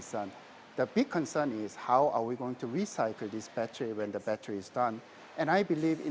dan saya percaya pemerintah indonesia juga ingin memiliki pembuat yang bertanggung jawab untuk baterai yang akan dikembangkan